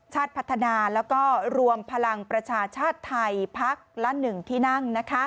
ชาติพัฒนาแล้วก็รวมพลังประชาชาติไทยพักละ๑ที่นั่ง